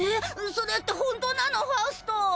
それって本当なのファウスト！？